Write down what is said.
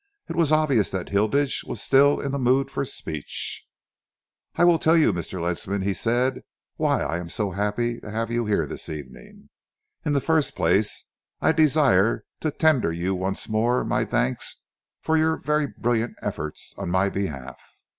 It was obvious that Hilditch was still in the mood for speech. "I will tell you, Mr. Ledsam," he said, "why I am so happy to have you here this evening. In the first place, I desire to tender you once more my thanks for your very brilliant efforts on my behalf.